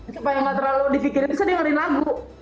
supaya nggak terlalu dipikirin saya dengerin lagu